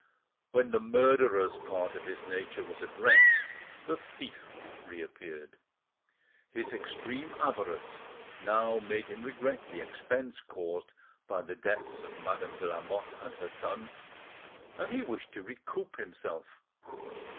When the murderer's part of his nature was at rest, the thief reappeared. His extreme avarice now made him regret the expense' caused by the deaths of Madame de Lamotte and her son, and he wished to recoup himself.